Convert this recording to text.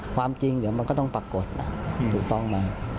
ความจริงเดี๋ยวมันก็ต้องปรากฏถูกต้องไหม